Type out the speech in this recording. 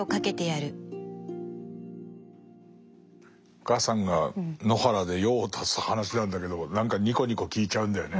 お母さんが野原で用を足す話なんだけど何かニコニコ聞いちゃうんだよね。